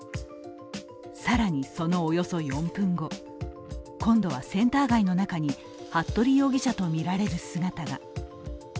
更にそのおよそ４分後、今度はセンター街の中に服部容疑者とみられる姿が。